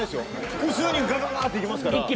複数人ガガガッていけますから。